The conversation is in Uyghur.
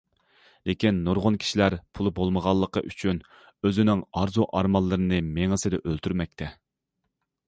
لېكىن نۇرغۇن كىشىلەر پۇلى بولمىغانلىقى ئۈچۈن ئۆزىنىڭ ئارزۇ- ئارمانلىرىنى مېڭىسىدە ئۆلتۈرمەكتە.